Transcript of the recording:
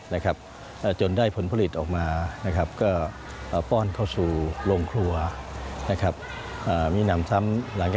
ถ้าจนได้ผลผลิตออกมากป้อนเข้าสู่โรงครัววี่แบบนั้นเท่านั้นนะนะครับ